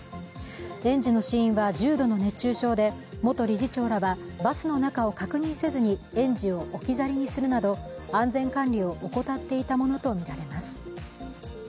園児の死因は、重度の熱中症で元理事長らは、バスの中を確認せずに園児を置き去りにするなど安全管理を怠っていたものとみられています。